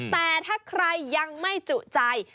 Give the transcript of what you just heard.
แต่ถ้าใครยังไม่จุใจ